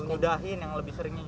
nudahin yang lebih seringnya